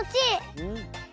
うん。